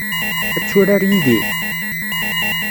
Ad turar yid-i?